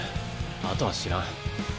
あとは知らん。